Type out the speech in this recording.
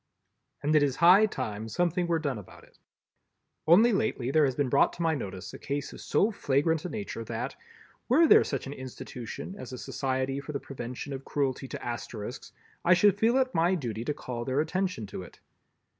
And it is high time something were done about it. Only lately there has been brought to my notice a case of so flagrant a nature that, were there such an institution as a Society for the Prevention of Cruelty to Asterisks, I should feel it my duty to call their attention to it.